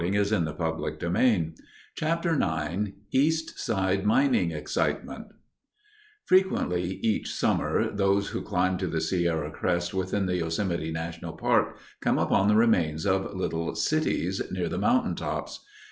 [Illustration: Half Dome] CHAPTER IX EAST SIDE MINING EXCITEMENT Frequently each summer, those who climb to the Sierra crest within the Yosemite National Park come upon the remains of little "cities" near the mountaintops.